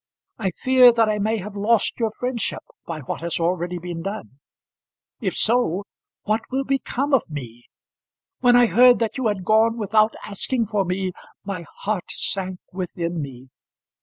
I fear that I may have lost your friendship by what has already been done. If so, what will become of me? When I heard that you had gone without asking for me, my heart sank within me.